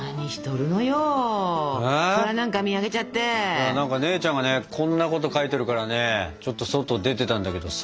いや何か姉ちゃんがねこんなこと書いてるからねちょっと外出てたんだけどさ。